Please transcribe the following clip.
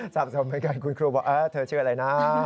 สมเหมือนกันคุณครูบอกเธอชื่ออะไรนะ